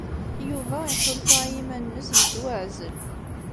Yuba iḥulfa i yiman-nnes yettwaɛzel.